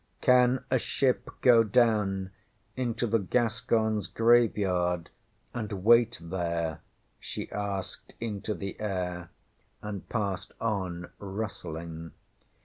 ŌĆśCan a ship go down into the GasconsŌĆÖ Graveyard and wait there? ŌĆÖ she asked into the air, and passed on rustling.